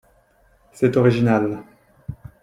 C’est original